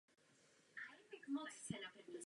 Dětství strávil v Brně.